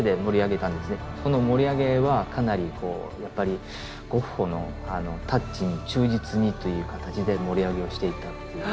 その盛り上げはかなりこうやっぱりゴッホのタッチに忠実にという形で盛り上げをしていった。